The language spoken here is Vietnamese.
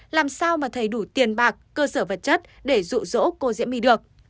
làm sao mà thầy đủ tiền bạc cơ sở vật chất để rụ rỗ cô diễm my được